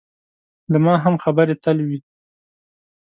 له ما هم خبرې تل وي.